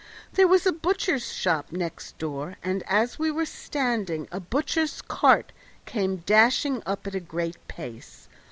There was a butcher's shop next door, and as we were standing a butcher's cart came dashing up at a great pace.